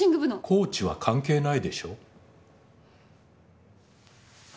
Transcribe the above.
コーチは関係ないでしょう。